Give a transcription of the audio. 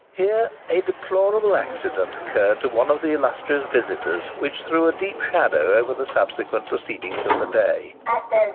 Here a deplorable accident occurred to one of the illustrious visitors, which threw a deep shadow over the subsequent proceedings of the day.